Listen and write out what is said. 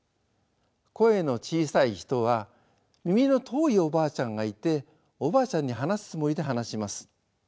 声の小さい人は耳の遠いおばあちゃんがいておばあちゃんに話すつもりで話します。